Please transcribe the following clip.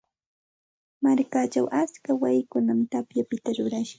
Markachaw atska wayikunam tapyapita rurashqa.